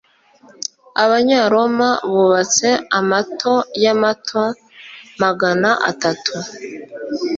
abanyaroma bubatse amato yamato magana atatu.